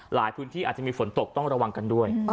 หลายพื้นที่อาจจะมีฝนตกต้องระวังกันด้วย